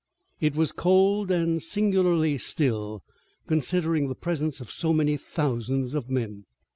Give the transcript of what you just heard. It was cold and singularly still, considering the presence of so many thousands of men.